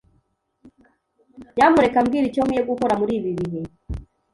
Nyamuneka mbwira icyo nkwiye gukora muri ibi bihe.